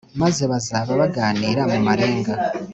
maze baza baganira mumarenga